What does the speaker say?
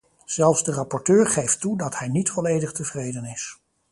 Zelfs de rapporteur geeft toe dat hij niet volledig tevreden is.